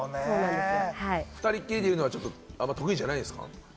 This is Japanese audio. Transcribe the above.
２人っきりでいるのは得意じゃないんですか？